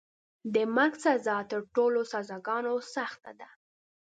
د مرګ سزا تر ټولو سزاګانو سخته ده.